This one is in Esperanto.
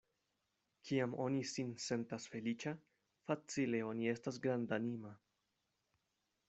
Kiam oni sin sentas feliĉa, facile oni estas grandanima.